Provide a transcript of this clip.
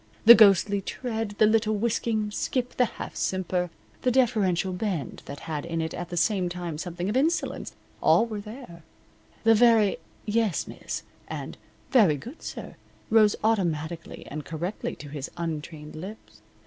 The ghostly tread, the little whisking skip, the half simper, the deferential bend that had in it at the same time something of insolence, all were there; the very "Yes, miss," and "Very good, sir," rose automatically and correctly to his untrained lips.